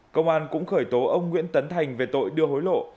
công an cũng khởi tố ông nguyễn tấn thành về tội đưa hối lộ